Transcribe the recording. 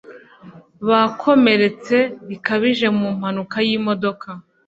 Bakomeretse bikabije mu mpanuka y'imodoka.